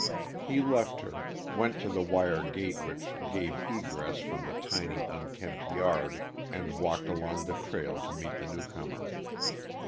He left her, went to the wire gate which gave egress from the tiny, unkempt yard, and walked along the trail to meet the newcomer.